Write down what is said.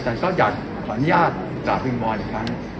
แต่ก็อยากขออนุญาตกราบคุณบอยอีกครั้ง